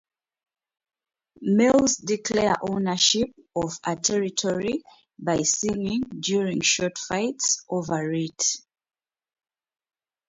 Males declare ownership of a territory by singing during short flights over it.